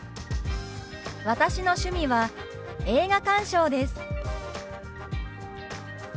「私の趣味は映画鑑賞です」。